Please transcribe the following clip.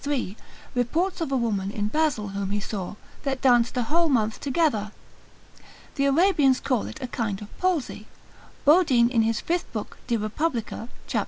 3, reports of a woman in Basil whom he saw, that danced a whole month together. The Arabians call it a kind of palsy. Bodine in his 5th book de Repub. cap.